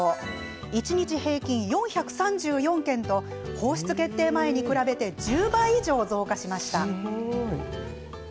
一日平均４３４件と放出決定前に比べて１０倍以上、増加しました。